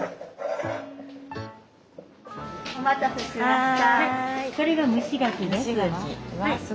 お待たせしました。